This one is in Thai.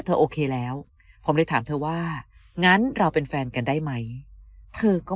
โอเคแล้วผมเลยถามเธอว่างั้นเราเป็นแฟนกันได้ไหมเธอก็